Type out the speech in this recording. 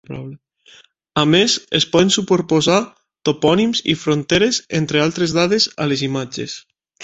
A més es poden superposar topònims i fronteres, entre altres dades, a les imatges.